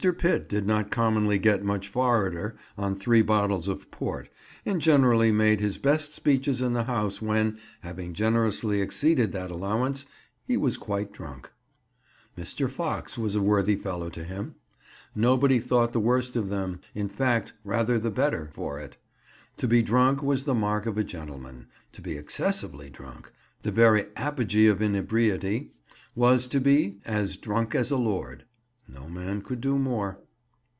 Pitt did not commonly get much "forrarder" on three bottles of port, and generally made his best speeches in the House when, having generously exceeded that allowance, he was quite drunk. Mr. Fox was a worthy fellow to him. Nobody thought the worse of them—in fact, rather the better—for it. To be drunk was the mark of a gentleman; to be excessively drunk—the very apogee of inebriety—was to be "as drunk as a lord"; no man could do more.